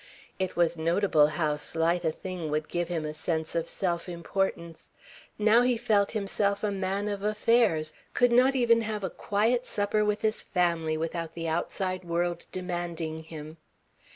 It was notable how slight a thing would give him a sense of self importance. Now he felt himself a man of affairs, could not even have a quiet supper with his family without the outside world demanding him.